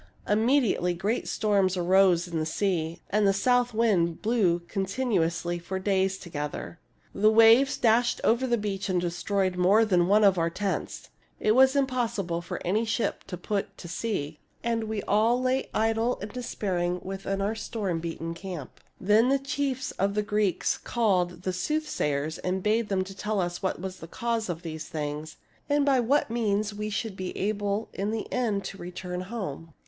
Immediately great storms arose on the sea. The south wind blew continuously for days together. The waves dashed over the beach and destroyed more than one of our THE FALL OF TROY I4S tents. It was impossible for any ship to put to sea, and we all lay idle and despairing within our storm beaten camp. Then the chiefs of the Greeks called the soothsayers and bade them tell what was the cause of these things, and by what means we should be able in the end to return home.